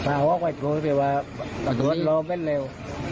ป่าโอ้บังกันมาจ่วยแต่ว่าป่าโอ้บังเป็นแล้ว